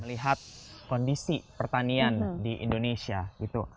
melihat kondisi pertanian di indonesia gitu